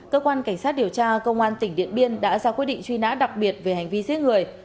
cơ quan cảnh sát điều tra công an tỉnh điện biên đã ra quyết định truy nã đặc biệt về hành vi giết người